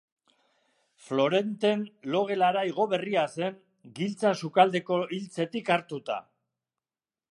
Florenten logelara igo berria zen, giltza sukaldeko iltzetik hartuta.